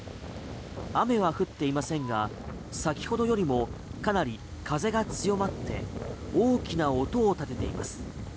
雨は降っていませんが先ほどよりもかなり風が強まって大きな音を立てています。